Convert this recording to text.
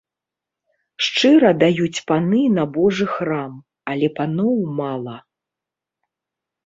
Шчыра даюць паны на божы храм, але паноў мала.